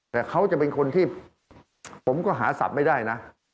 แต่เขาจะเป็นคนที่ผมก็หาศัพท์ไม่ได้นะ